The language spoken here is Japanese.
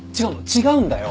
違うんだよ！